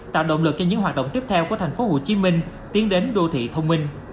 tạo động lực cho những hoạt động